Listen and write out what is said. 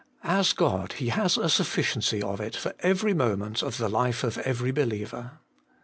As God, He has a sufficiency of it for every moment of the life of every believer.